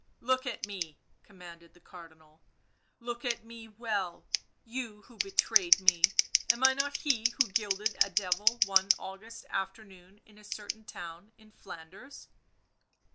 " Look at me," commanded the Cardinal, " look at me well, you who betrayed me, am I not he who gilded a devil one August afternoon in a certain town in Flanders'?"